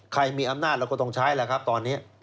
มีอำนาจเราก็ต้องใช้แหละครับตอนนี้